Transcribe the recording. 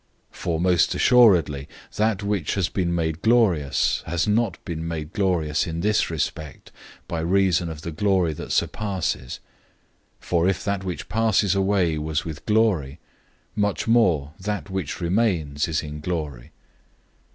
003:010 For most certainly that which has been made glorious has not been made glorious in this respect, by reason of the glory that surpasses. 003:011 For if that which passes away was with glory, much more that which remains is in glory.